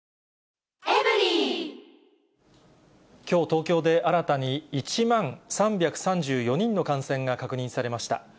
きょう東京で、新たに１万３３４人の感染が確認されました。